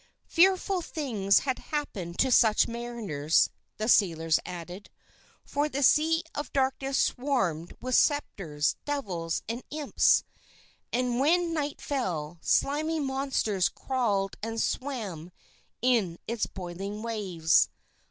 Fearful things had happened to such mariners, the sailors added, for the Sea of Darkness swarmed with spectres, devils, and imps. And when night fell, slimy monsters crawled and swam in its boiling waves.